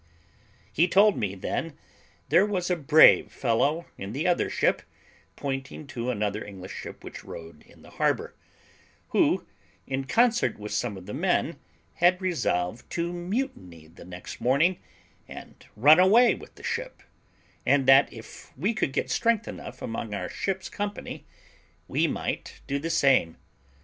He told me, then, there was a brave fellow in the other ship, pointing to another English ship which rode in the harbour, who, in concert with some of the men, had resolved to mutiny the next morning, and run away with the ship; and that, if we could get strength enough among our ship's company, we might do the same.